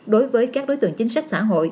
đối với các đối tượng chính sách xã hội